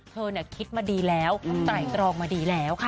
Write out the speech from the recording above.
เธอคิดมาดีแล้วไตรตรองมาดีแล้วค่ะ